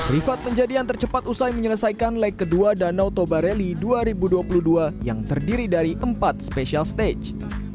rifat menjadi yang tercepat usai menyelesaikan leg kedua danau toba rally dua ribu dua puluh dua yang terdiri dari empat special stage